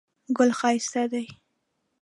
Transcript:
ګل ښایسته دی.